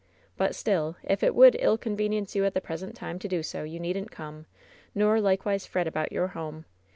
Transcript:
"But still, if it would ill convenience you at the pres ent time to do so, you needn't come, nor likewise fret about your home.